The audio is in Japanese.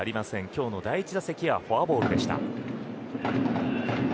今日の第１打席はフォアボールでした。